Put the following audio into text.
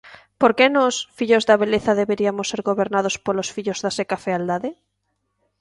Por que nós, fillos da beleza deberiamos ser gobernados polos fillos da seca fealdade?